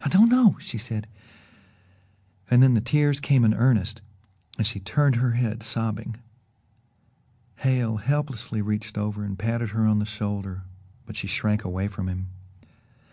"I don't know " she said and then the tears came in earnest and she turned her head, sobbing. Hale helplessly reached over and patted her on the shoulder, but she shrank away from him.